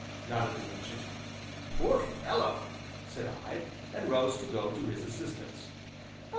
nodded the Ancient. "Poor fellow!" said I, and rose to go to his assistance.